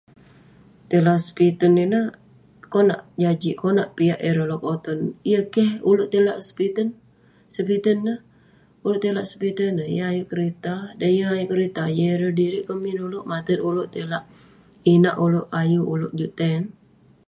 Tai lak sepiten ineh konak jajik, konak piak ireh lekoton, yeng keh uleuk tai lak sepiten. Sepiten ineh, uleuk tai lak sepiten ineh yeng ayuk kerita, dan yeng ayuk kerita ,yeng ireh diri'k keh min uleuk, matet uleuk tai lak inak uleuk, ayuk uleuk juk tai...